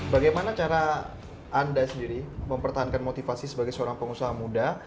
bagaimana cara anda sendiri mempertahankan motivasi sebagai seorang pengusaha muda